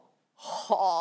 はあ！